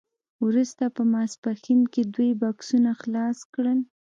وروسته په ماسپښین کې دوی بکسونه خلاص کړل